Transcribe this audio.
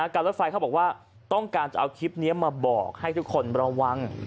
รถไฟเขาบอกว่าต้องการจะเอาคลิปนี้มาบอกให้ทุกคนระวัง